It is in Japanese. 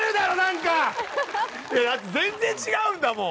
だって全然違うんだもん。